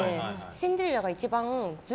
「シンデレラ」が一番。